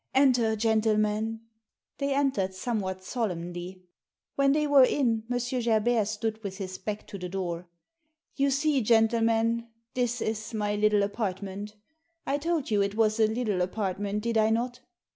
"Enter, gentlemen!" They entered somewhat solemnly. When they were in M. Gerbert stood with his back to the door. "You see, gentlemen, this is my little apartment I told you it was a little apartment, did I not